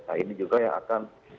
nah ini juga yang akan